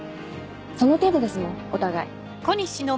その程度ですもんお互い。